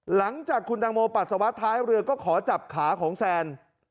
หลังจากคุณตังโมปัสสาวะท้ายเรือก็ขอจับขาของแซน